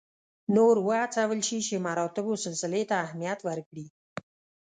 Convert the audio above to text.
نور وهڅول شي چې مراتبو سلسلې ته اهمیت ورکړي.